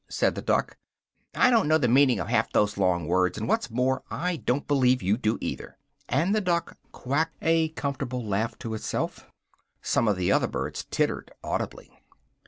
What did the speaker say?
said the Duck, "I don't know the meaning of half those long words, and what's more, I don't believe you do either!" And the Duck quacked a comfortable laugh to itself. Some of the other birds tittered audibly.